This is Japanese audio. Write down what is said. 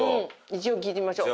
一応聞いてみましょう。